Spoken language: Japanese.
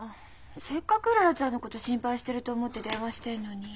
せっかくうららちゃんのこと心配してると思って電話してんのに。